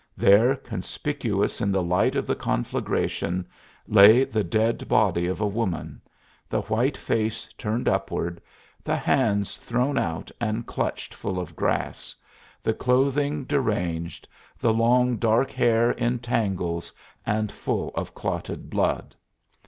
There, conspicuous in the light of the conflagration, lay the dead body of a woman the white face turned upward, the hands thrown out and clutched full of grass, the clothing deranged, the long dark hair in tangles and full of clotted blood.